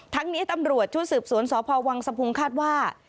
ทั้งนี้ตำรวจชุดสืบสวนสพวังสะพุงคาดว่า